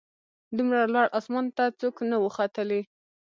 دومره لوړ اسمان ته څوک نه وه ختلي